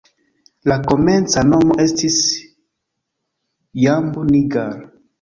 La komenca nomo estis "Jambu-Nagar".